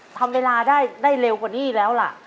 ก็รองเวลาได้เร็วกว่านี้แล้วละ